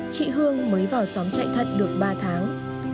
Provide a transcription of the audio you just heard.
chị hương mới vào xóm chạy thận được ba tháng